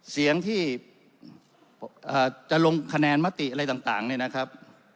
เสียงที่จะลงคะแนนมติอะไรต่างเนี่ยนะครับ